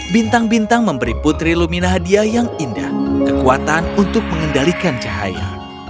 bintang bintang memberi putri lumina hadiah yang indah kekuatan untuk mengendalikan cahaya